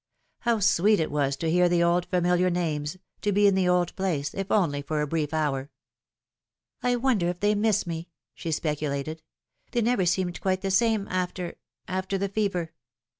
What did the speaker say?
How sweet it was to hear the old familiar names, to be in the old place, if only for a brief hour !" I wonder if they miss me ?" she speculated. " They never seemed quite the same after after the fever."